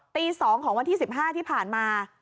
ตี๒ของวันที่๑๕ที่ผ่านมา